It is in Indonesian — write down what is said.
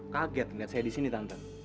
kaget melihat saya di sini tante